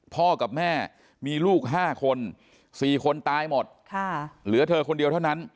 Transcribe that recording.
พ่อกับแม่มีลูก๕คน๔คนตายหมดเหลือเธอคนเดียวเท่านั้น